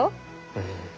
うん。